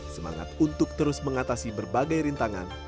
semangat untuk terus mengatasi berbagai rintangan